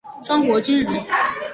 庄国钧人。